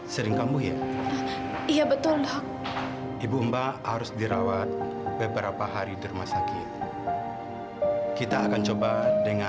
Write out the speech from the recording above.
sampai jumpa di video selanjutnya